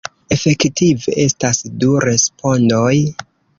Efektive, estas du respondoj.